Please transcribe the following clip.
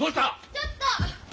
ちょっと！